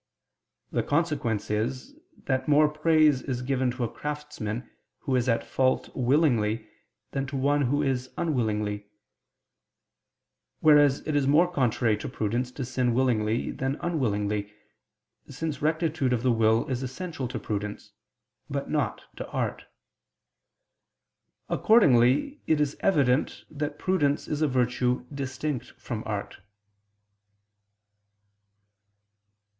The consequence is that more praise is given to a craftsman who is at fault willingly, than to one who is unwillingly; whereas it is more contrary to prudence to sin willingly than unwillingly, since rectitude of the will is essential to prudence, but not to art. Accordingly it is evident that prudence is a virtue distinct from art.